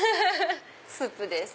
スープです！